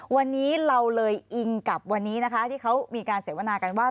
วันนี้เราเลยอิงกับวันนี้นะคะที่เขามีการเสวนากันว่า